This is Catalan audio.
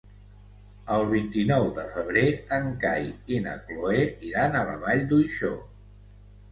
El vint-i-nou de febrer en Cai i na Cloè iran a la Vall d'Uixó.